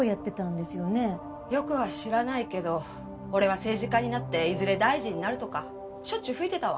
よくは知らないけど俺は政治家になっていずれ大臣になるとかしょっちゅう吹いてたわ。